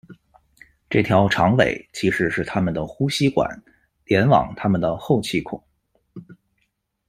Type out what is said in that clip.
这条「长尾」其实是它们的呼吸管，连往它们的后气孔。